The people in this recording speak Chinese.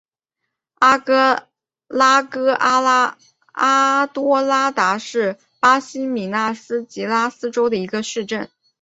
拉戈阿多拉达是巴西米纳斯吉拉斯州的一个市镇。